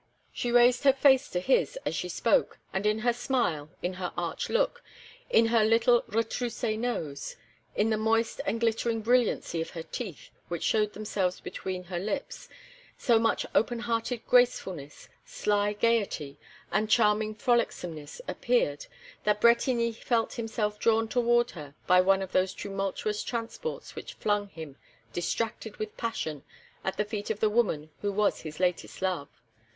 She raised her face to his as she spoke, and in her smile, in her arch look, in her little retroussé nose, in the moist and glittering brilliancy of her teeth which showed themselves between her lips, so much open hearted gracefulness, sly gaiety, and charming frolicsomeness appeared that Bretigny felt himself drawn toward her by one of those tumultuous transports which flung him distracted with passion at the feet of the woman who was his latest love.